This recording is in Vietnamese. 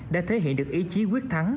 đã thể hiện được ý chí quyết thắng